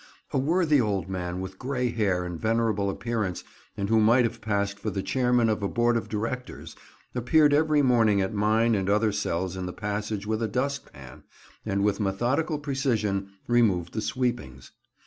A worthy old man with grey hair and venerable appearance, and who might have passed for the chairman of a board of directors, appeared every morning at mine and other cells in the passage with a dust pan, and with methodical precision removed the sweepings.